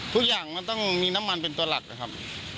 ทุกอย่างมันต้องมีน้ำมันเป็นตัวหลักนะครับ